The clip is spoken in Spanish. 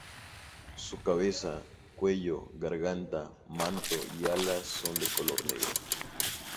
Su cabeza, cuello, garganta, manto y alas son de color negro.